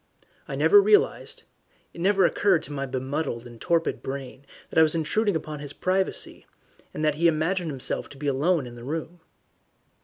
I never realized it never occurred to my bemuddled and torpid brain that I was intruding upon his privacy, that he imagined himself to be alone in the room.